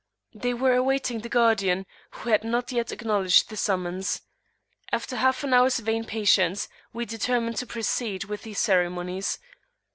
They [p.427]were awaiting the guardian, who had not yet acknowledged the summons. After half an hour's vain patience, we determined to proceed with the ceremonies.